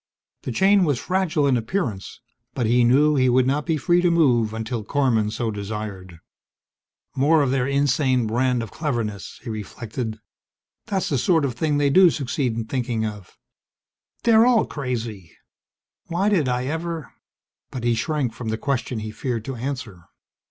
The chain was fragile in appearance, but he knew he would not be free to move until Korman so desired. More of their insane brand of cleverness! he reflected. That's the sort of thing they do succeed in thinking of. They're all crazy! Why did I ever ... But he shrank from the question he feared to answer.